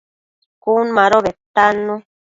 Cun mado bedtannu